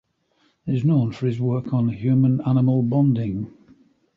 He is known for his work on human–animal bonding.